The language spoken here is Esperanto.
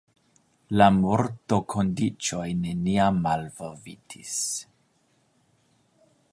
La mortokondiĉoj neniam malvolvitis.